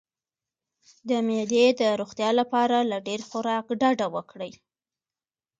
د معدې د روغتیا لپاره له ډیر خوراک ډډه وکړئ